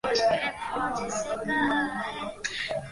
বয়সও খুব কম মনে হচ্ছে।